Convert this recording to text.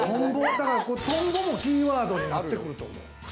トンボもキーワードになってくると思う。